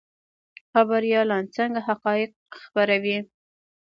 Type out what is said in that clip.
خبریالان څنګه حقایق خپروي؟